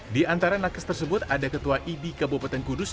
di antara nakas tersebut ada ketua ibi kabupaten kudus